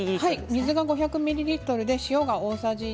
水が５００ミリリットルで塩が大さじ１